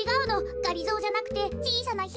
がりぞーじゃなくてちいさなヒナがいてね。